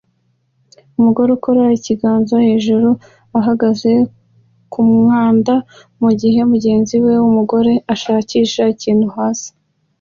Umugore ukora ikiganza hejuru ahagaze kumwanda mugihe mugenzi we wumugore ashakisha ikintu hasi